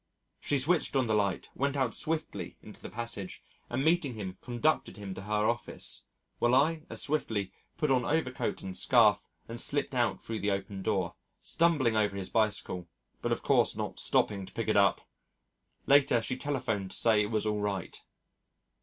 She switched on the light, went out swiftly into the passage, and meeting him conducted him to her office, while I as swiftly put on overcoat and scarf, and slipped out through the open door, stumbling over his bicycle, but of course not stopping to pick it up. Later she telephoned to say it was all right.